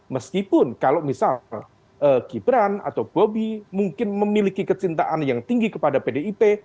meskipun kalau misal gibran atau bobi mungkin memiliki kecintaan yang tinggi kepada pdip